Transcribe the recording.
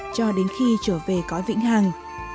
cho đến khi trở về cõi vĩnh hàng